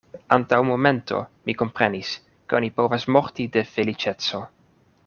Antaŭ momento mi komprenis, ke oni povas morti de feliĉeco.